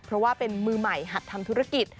เพราะว่าเป็นมือใหม่หัดทำธุรกิจ